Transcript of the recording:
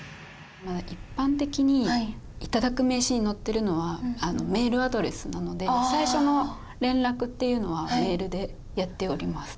一般的に頂く名刺に載ってるのはメールアドレスなので最初の連絡っていうのはメールでやっております。